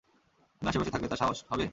আমি আশেপাশে থাকলে তার সাহস হবে?